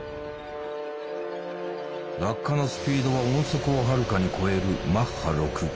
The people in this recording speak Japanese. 落下のスピードは音速をはるかに超えるマッハ６。